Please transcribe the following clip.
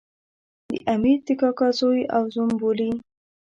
د امیر د کاکا زوی او زوم بولي.